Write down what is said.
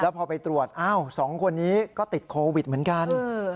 พอไปตรวจอ้าว๒คนนี้ก็ติดโควิดเหมือนกัน